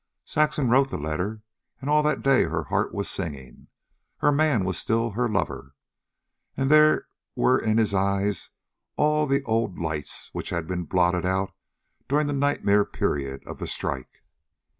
Saxon wrote the letter, and all that day her heart was singing. Her man was still her lover. And there were in his eyes all the old lights which had been blotted out during the nightmare period of the strike.